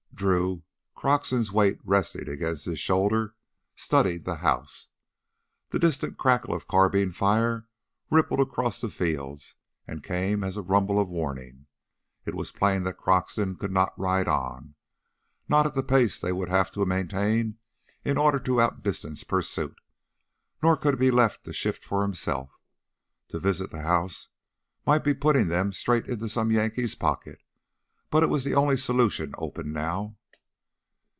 Drew, Croxton's weight resting against his shoulder, studied the house. The distant crackle of carbine fire rippled across the fields and came as a rumble of warning. It was plain that Croxton could not ride on, not at the pace they would have to maintain in order to outdistance pursuit; nor could he be left to shift for himself. To visit the house might be putting them straight into some Yankee's pocket, but it was the only solution open now.